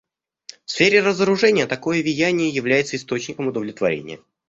В сфере разоружения такое веяние является источником удовлетворения.